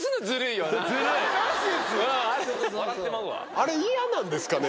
あれ嫌なんですかね